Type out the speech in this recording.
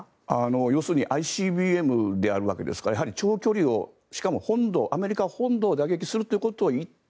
要するにＩＣＢＭであるわけですからやはり長距離をしかも、アメリカ本土を打撃するということを言って